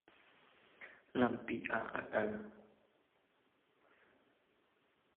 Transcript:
Lam ping ah a kal.